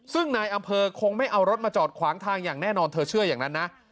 ซึ่งนายอำเภอคงไม่เอารถมาจอดขวางทางอย่างแน่นอนเธอเชื่ออย่างนั้นนะ